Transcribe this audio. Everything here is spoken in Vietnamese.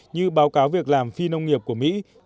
như báo cáo việc làm phi nông nghiệp của mỹ